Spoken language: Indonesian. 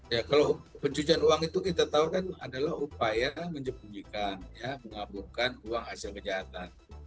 ya kalau pencucian uang itu kita tahu kan adalah upaya menjebunyikan ya mengaburkan uang hasil kejahatan